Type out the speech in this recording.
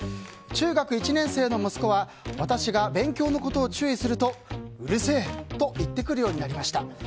中学１年生の息子は私が勉強のことを注意するとうるせえ！と言ってくるようになりました。